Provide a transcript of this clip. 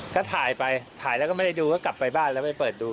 ก็ถ่ายไปถ่ายแล้วก็ไม่ได้ดูก็กลับไปบ้านแล้วไปเปิดดู